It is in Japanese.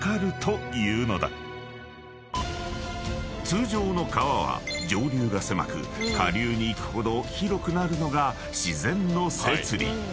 ［通常の川は上流が狭く下流に行くほど広くなるのが自然の摂理］